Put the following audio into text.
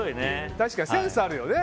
確かにセンスがあるよね